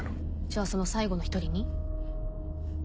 じゃあその最後の１人に？